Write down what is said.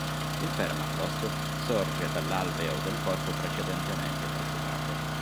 Il permafrost sorge dall"'alveo" del corpo precedentemente prosciugato.